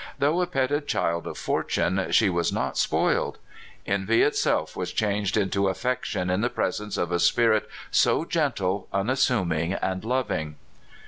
Though a petted child of fortune, she was not spoiled. Envy itself was changed into affection in the presence of a spirit so gentle, un assuming, and loving.